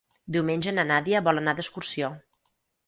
Diumenge na Nàdia vol anar d'excursió.